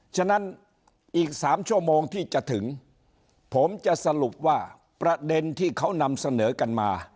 ฉะนั้นอีก๓ชั่วโมงที่จะถึงผมจะสรุปว่าประเด็นที่เขานำเสนอกันมา